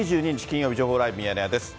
金曜日、情報ライブミヤネ屋です。